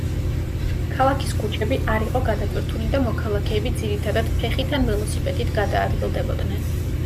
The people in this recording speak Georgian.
ქალაქის ქუჩები არ იყო გადატვირთული და მოქალაქეები ძირითადად ფეხით ან ველოსიპედით გადაადგილდებოდნენ.